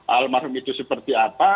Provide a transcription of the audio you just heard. almarhum itu seperti apa